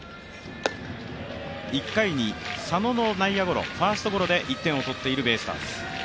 １回に佐野の内野ゴロ、ファーストゴロで１点を取っているベイスターズ。